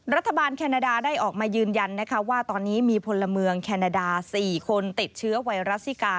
รัฐบาลแคนาดาได้ออกมายืนยันนะคะว่าตอนนี้มีพลเมืองแคนาดา๔คนติดเชื้อไวรัสซิกา